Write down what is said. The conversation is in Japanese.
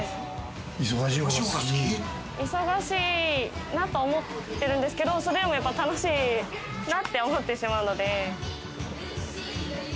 忙しいなと思ってるんですけど、それでも楽しいなって思ってしまうので。